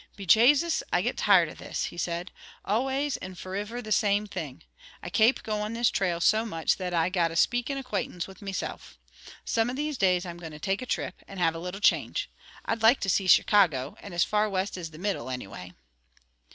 "Be Jasus, I get tired of this!" he said. "Always and foriver the same thing. I kape goin' this trail so much that I've got a speakin' acquaintance with meself. Some of these days I'm goin' to take a trip, and have a little change. I'd like to see Chicago, and as far west as the middle, anyway."